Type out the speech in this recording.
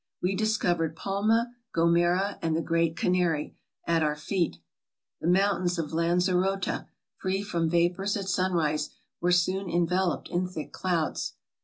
We discovered Palma, Gomera, and the Great Canary, at our feet. The mountains of Lanzerota, free from vapors at sun rise, were soon enveloped in thick clouds.